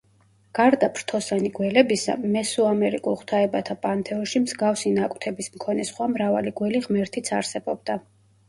გარდა ფრთოსანი გველებისა, მესოამერიკულ ღვთაებათა პანთეონში მსგავსი ნაკვთების მქონე სხვა მრავალი გველი ღმერთიც არსებობდა.